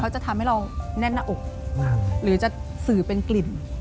จะทำให้เราแน่นหน้าอกหรือจะสื่อเป็นกลิ่น